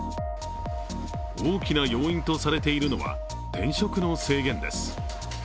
大きな要因とされているのは転職の制限です。